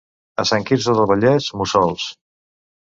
A Sant Quirze del Vallès, mussols.